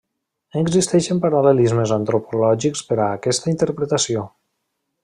Existeixen paral·lelismes antropològics per a aquesta interpretació.